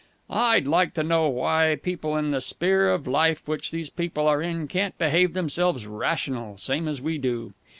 I'd like to know why people in the spear of life which these people are in can't behave themselves rational, same as we do.